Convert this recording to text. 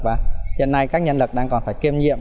và hiện nay các nhân lực đang còn phải kiêm nhiệm